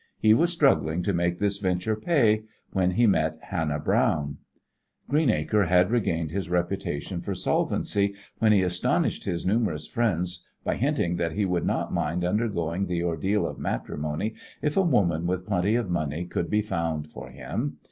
He was struggling to make this venture pay when he met Hannah Browne. Greenacre had regained his reputation for solvency when he astonished his numerous friends by hinting that he would not mind undergoing the ordeal of matrimony if a woman with plenty of money could be found for him.